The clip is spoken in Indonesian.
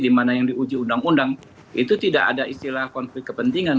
dimana yang diuji undang undang itu tidak ada istilah konflik kepentingan